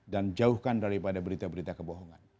dan jauhkan daripada berita berita kebohongan